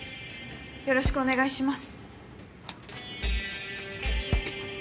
よろしくお願いします。